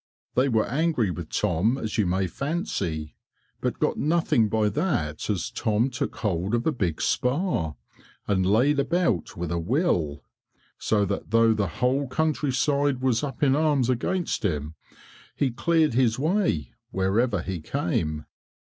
They were angry with Tom as you may fancy, but got nothing by that as Tom took hold of a big spar, and laid about with a will, so that though the whole country side was up in arms against him, he cleared his way wherever he came.